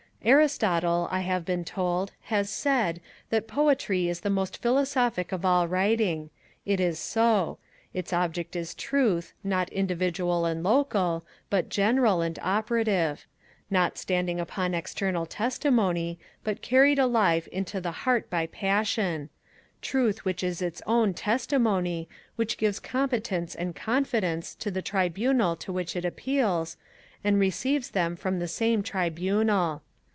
Aristotle, I have been told, has said, that Poetry is the most philosophic of all writing: it is so: its object is truth, not individual and local, but general, and operative; not standing upon external testimony, but carried alive into the heart by passion; truth which is its own testimony, which gives competence and confidence to the tribunal to which it appeals, and receives them from the same tribunal.